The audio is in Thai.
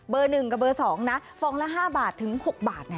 ๑กับเบอร์๒นะฟองละ๕บาทถึง๖บาท